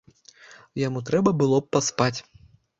Яму трэба было б паспаць.